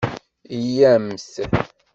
Yya-mt!